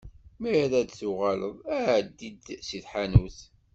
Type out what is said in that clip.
Mi ara d-tuɣaleḍ, εeddi-d si tḥanut.